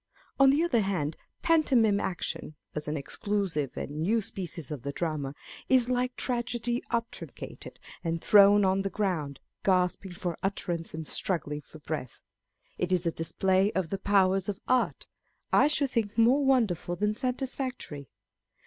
On the other hand, pantomime action (as an exclusive and new species of the drama) is like tragedy obtruncated and thrown on the ground, gasping for utterance and struggling for breath. It is a display of the powers of art, I should think more wonderful than satisfactory.